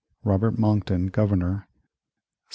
Robert Monckton Governor 1763.